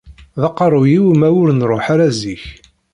D aqerruy-iw ma ur nṛuḥ ara zik.